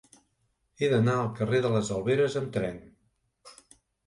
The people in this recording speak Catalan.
He d'anar al carrer de les Alberes amb tren.